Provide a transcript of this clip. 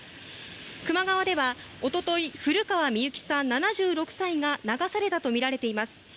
球磨川では一昨日フルカワ・ミユキさん、７６歳が流されたとみられています。